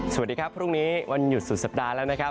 สวัสดีครับพรุ่งนี้วันหยุดสุดสัปดาห์แล้วนะครับ